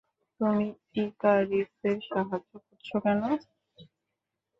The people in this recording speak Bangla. তুমি ইকারিসের সাহায্য করছ কেন?